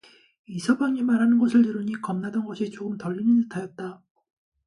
이서방이 말하는 것을 들으니 겁나던 것이 조금 덜리는 듯하였다.